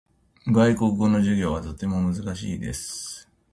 外国語の授業はとても難しいです。